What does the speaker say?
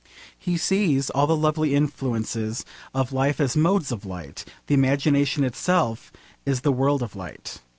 He sees all the lovely influences of life as modes of light: the imagination itself is the world of light.